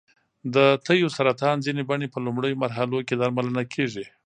د تیو سرطان ځینې بڼې په لومړیو مرحلو کې درملنه کېږي.